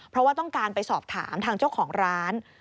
เพราะว่าต้องการไปสอบถามทางเจ้าของร้าน